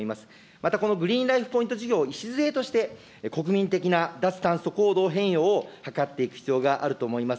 また、このグリーンライフ・ポイント事業を礎にして、国民的な脱炭素行動変容を図っていく必要があると思います。